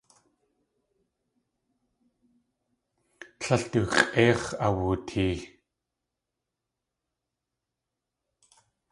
Tlél du x̲ʼéix̲ awutee.